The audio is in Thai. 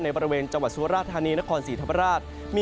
ในบริเวณสุรรรทร์ฮานีนครสีธรรมราช